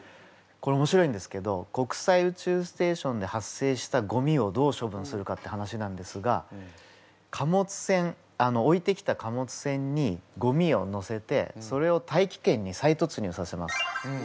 これおもしろいんですけど国際宇宙ステーションで発生したゴミをどう処分するかって話なんですが貨物船置いてきた貨物船にゴミをのせてそれを大気圏に再突入させます。